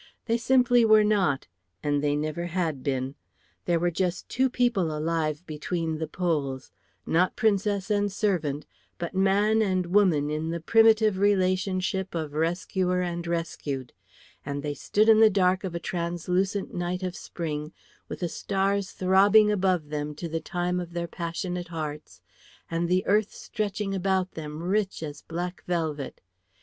They simply were not, and they never had been. There were just two people alive between the Poles, not princess and servant, but man and woman in the primitive relationship of rescuer and rescued; and they stood in the dark of a translucent night of spring, with the stars throbbing above them to the time of their passionate hearts, and the earth stretching about them rich as black velvet.